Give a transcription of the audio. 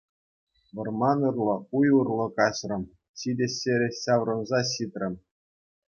Вӑрман урлӑ, уй урлӑ каҫрӑм, ҫитес ҫӗре ҫаврӑнса ҫитрӗм.